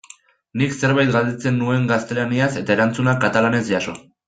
Nik zerbait galdetzen nuen gaztelaniaz eta erantzuna katalanez jaso.